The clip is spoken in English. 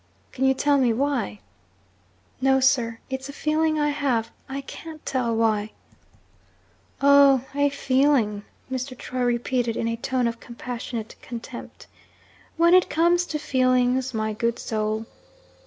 'Can you tell me why?' 'No, sir. It's a feeling I have. I can't tell why.' 'Oh, a feeling?' Mr. Troy repeated, in a tone of compassionate contempt. 'When it comes to feelings, my good soul